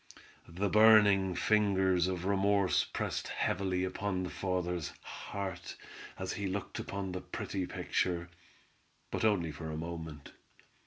The burning fingers of remorse pressed heavily upon the father's heart as he looked upon the pretty picture—but only for a moment.